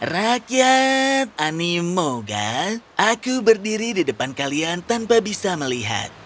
rakyat animoga aku berdiri di depan kalian tanpa bisa melihat